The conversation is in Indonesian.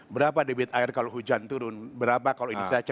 berapa debit air kalau hujan turun berapa kalau ini saya cek